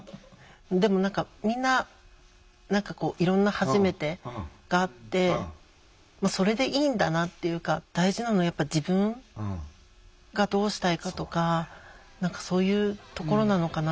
でも何かみんな何かこういろんな「はじめて」があってそれでいいんだなっていうか大事なのはやっぱ自分がどうしたいかとかそういうところなのかな。